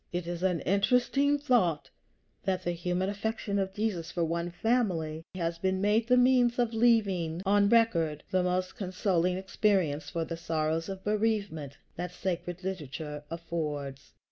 It is an interesting thought that the human affection of Jesus for one family has been made the means of leaving on record the most consoling experience for the sorrows of bereavement that sacred literature affords.